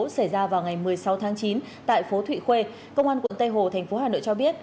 xảy ra vào ngày một mươi sáu tháng chín tại phố thụy khuê công an quận tây hồ thành phố hà nội cho biết